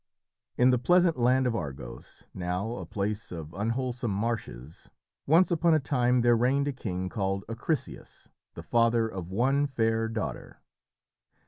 In the pleasant land of Argos, now a place of unwholesome marshes, once upon a time there reigned a king called Acrisius, the father of one fair daughter.